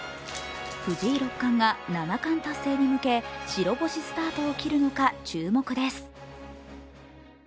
藤井六冠が七冠達成に向け白星スタートを切るのか注目です。